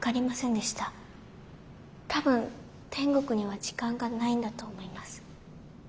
多分天国には時間がないんだと思います。